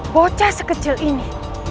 bocah sekecil ini